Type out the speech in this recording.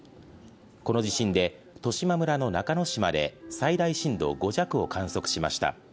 この地震で十島村の中之島で最大震度５弱を観測しました。